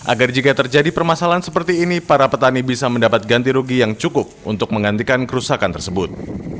agar jika terjadi permasalahan seperti ini para petani bisa mendapat ganti rugi yang cukup untuk menggantikan kerusakan tersebut